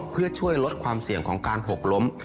เพื่อช่วยลดความเสี่ยงของการหกล้ม